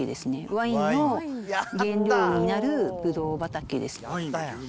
ワインの原料になるブドウ畑です。